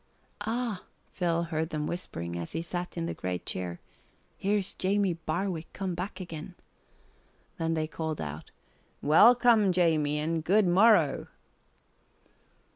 "Ah," Phil heard them whispering, as he sat in the great chair, "here's Jamie Barwick come back again." Then they called out, "Welcome, Jamie, and good morrow!"